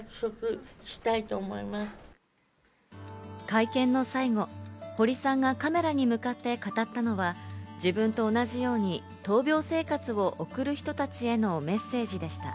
会見の最後、堀さんがカメラに向かって語ったのは、自分と同じように闘病生活を送る人たちへのメッセージでした。